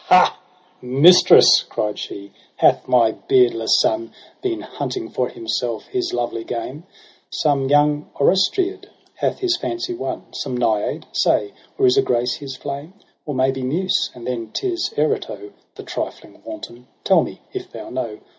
14. ' Ha ! Mistress !' cried she ; 'Hath my beardless son Been hunting for himself his lovely game ? Some young Orestiad hath his fancy won ? Some Naiad ? say 5 or is a Grace his flame ? Or maybe Muse, and then 'tis Erato, The trifling wanton. Tell me, if thou know.